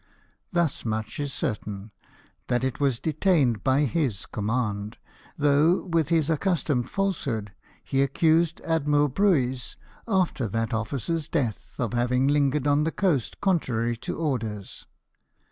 Thus much is certain, that it was detained by hie command ; though, with his accus tomed falsehood, he accused Admiral Brueys, after that officer's death, of having lingered on the coast, contrary to orders.